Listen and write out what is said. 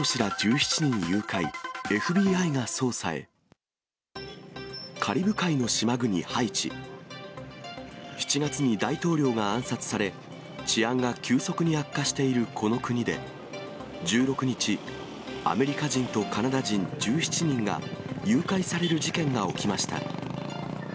７月に大統領が暗殺され、治安が急速に悪化しているこの国で、１６日、アメリカ人とカナダ人１７人が誘拐される事件が起きました。